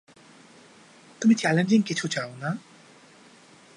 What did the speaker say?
তুমি চ্যালেঞ্জিং কিছু চাও, না?